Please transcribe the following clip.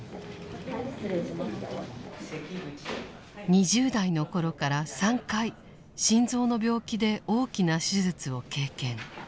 ２０代の頃から３回心臓の病気で大きな手術を経験。